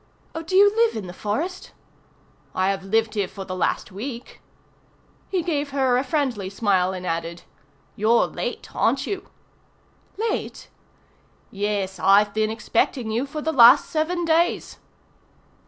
"Oh, do you live in the forest?" "I have lived here for the last week." He gave her a friendly smile, and added, "You're late, aren't you?" "Late?" "Yes, I've been expecting you for the last seven days."